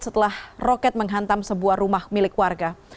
setelah roket menghantam sebuah rumah milik warga